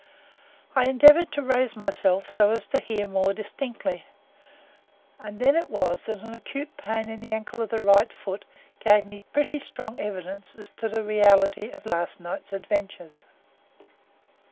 I endeavoured to raise myself so as to hear more distinctly, and then it was that an acute pain in the ankle of the right foot, gave me pretty strong evidence as to the reality of the last night's adventures.